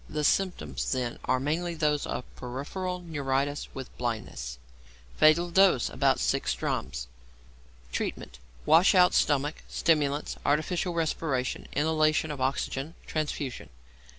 The symptoms then are mainly those of peripheral neuritis with blindness. Fatal Dose. About 6 drachms. Treatment. Wash out stomach; stimulants, artificial respiration, inhalation of oxygen, transfusion.